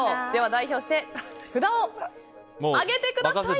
代表して札を上げてください！